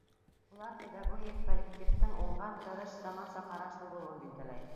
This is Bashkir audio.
Улар педагогик коллективтың уңған, тырыш, заманса ҡарашлы булыуын билдәләй.